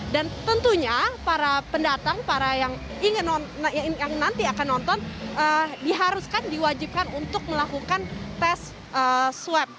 dan tentunya para pendatang para yang nanti akan nonton diharuskan diwajibkan untuk melakukan tes swab